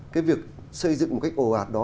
cái việc xây dựng một cách ồ ạt đó